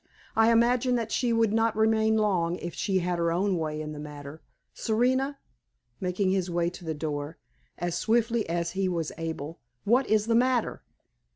I imagine that she would not remain long if she had her own way in the matter. Serena," making his way to the door as swiftly as he was able "what is the matter?"